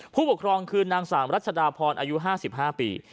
ผู้ปกครองคือนางสาวรัชดาพรอายุ๕๕ปี